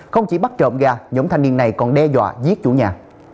không chỉ bắt trộm ga nhóm thanh niên này còn đe dọa giết chủ nhà